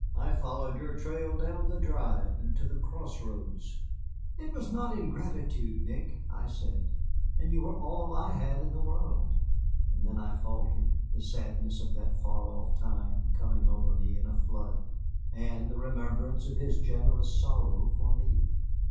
I followed your trail down the drive and to the cross roads " "It was not ingratitude, Nick," I said; "you were all I had in the world." And then I faltered, the sadness of that far off time coming over me in a flood, and the remembrance of his generous sorrow for me.